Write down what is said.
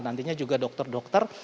nantinya juga dokter dokter